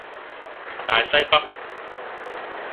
大西北